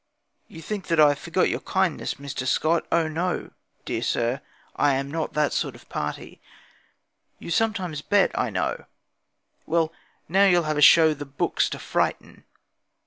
You think that I've forgot Your kindness, Mr. Scott, Oh, no, dear sir, I'm not That sort of party. 'You sometimes bet, I know, Well, now you'll have a show The 'books' to frighten.